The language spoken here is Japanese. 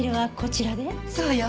そうよ。